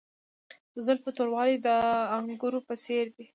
د زلفو توروالی د انګورو په څیر دی.